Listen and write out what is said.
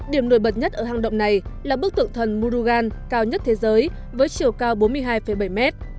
điểm nổi bật nhất ở hang động này là bức tượng thần murugal cao nhất thế giới với chiều cao bốn mươi hai bảy mét